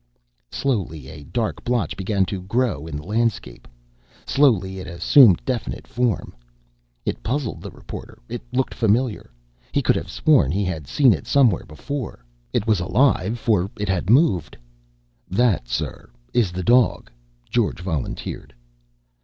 Slowly a dark blotch began to grow in the landscape. Slowly it assumed definite form. It puzzled the reporter. It looked familiar. He could have sworn he had seen it somewhere before. It was alive, for it had moved. "That, sir, is the dog," George volunteered.